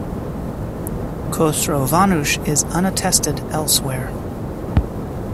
Khosrovanush is unattested elsewhere.